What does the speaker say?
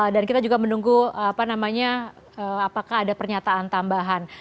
dan kita juga menunggu apa namanya apakah ada pernyataan tambahan